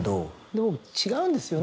でも違うんですよね。